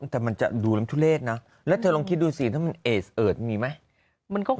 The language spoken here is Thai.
แต่มันจะดูลังทุเลถนะและเธอลงคิดดูเสียงให้มันเอตอิสเอิร์ธมีบ้าง